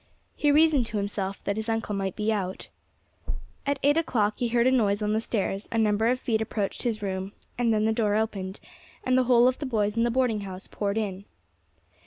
He reasoned to himself that his uncle might be out. At eight o'clock he heard a noise on the stairs; a number of feet approached his room, and then the door opened, and the whole of the boys in the boarding house poured in.